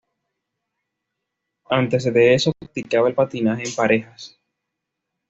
Antes de eso practicaba el patinaje en parejas.